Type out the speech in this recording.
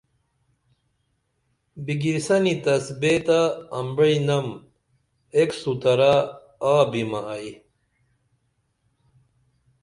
بِگریسن تسبے تہ امبعی نم ایک سوترہ آبیمہ ائی